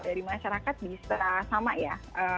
dari masyarakat bisa sama ya